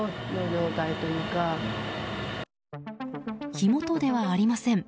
火元ではありません。